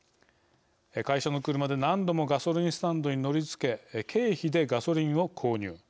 会社の車で何度もガソリンスタンドに乗りつけ経費でガソリンを購入。